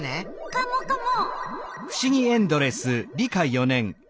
カモカモ！